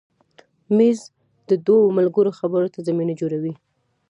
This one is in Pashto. مېز د دوو ملګرو خبرو ته زمینه جوړوي.